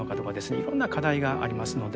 いろんな課題がありますので。